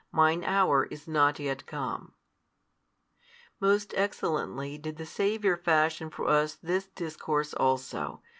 Mine hour is not yet come. Most excellently did the Saviour fashion for us this |156 discourse also.